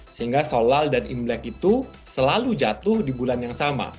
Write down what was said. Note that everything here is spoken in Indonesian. sehingga sholal dan imlek itu selalu jatuh di bulan yang sama